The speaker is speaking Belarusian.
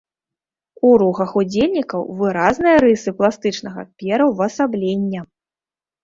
У рухах удзельнікаў выразныя рысы пластычнага пераўвасаблення.